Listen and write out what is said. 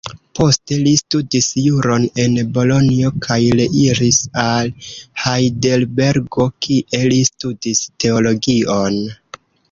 Poste, li studis juron en Bolonjo, kaj reiris al Hajdelbergo kie li studis teologion.